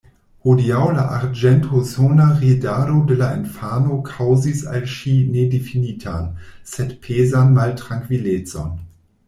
Hodiaŭ la arĝentosona ridado de la infano kaŭzis al ŝi nedifinitan, sed pezan maltrankvilecon.